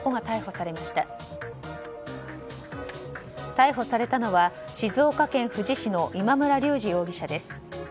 逮捕されたのは静岡県富士市の今村龍治容疑者です。